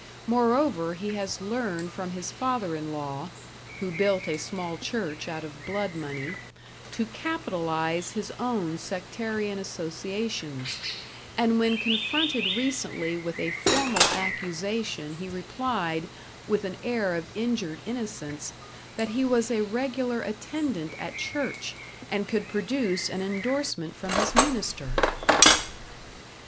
Moreover he has learned from his father in law (who built a small church out of blood money) to capitalize his own sectarian associations, and when confronted recently with a formal accusation he replied, with an air of injured innocence, that he was a regular attendant at church, and could produce an endorsement from his minister.